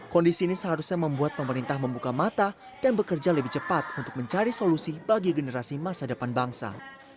kondisi ini seharusnya membuat pemerintah membuka mata dan bekerja lebih cepat untuk mencari solusi bagi generasi masa depan bangsa